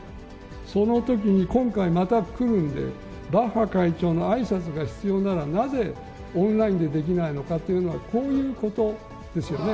そのときに、今回また来るので、バッハ会長のあいさつが必要なら、なぜオンラインでできないのかというのは、こういうことですよね。